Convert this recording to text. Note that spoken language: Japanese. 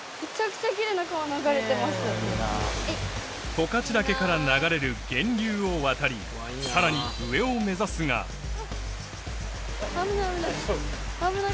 十勝岳から流れる源流を渡りさらに危ない危ない。